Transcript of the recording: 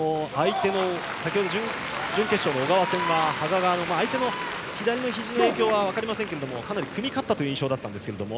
準決勝の小川戦は羽賀が相手の左のひじの影響は分かりませんけれども組み勝ったという印象だったんですけれども。